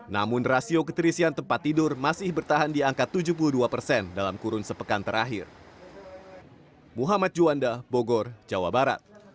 namun rasio keterisian tempat tidur masih bertahan di angka tujuh puluh dua persen dalam kurun sepekan terakhir